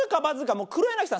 もう黒柳さん